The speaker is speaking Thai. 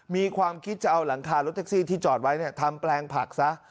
มีความคิดจะเอาหลังคารถแท็กซี่ที่จอดไว้ทำแปลงผักซะ